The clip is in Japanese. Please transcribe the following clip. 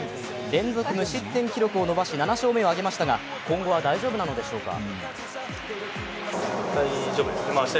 連続無失点記録を伸ばし７勝目を挙げましたが今後は大丈夫なのでしょうか？